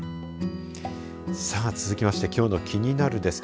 さあ続きましてきょうのキニナル！です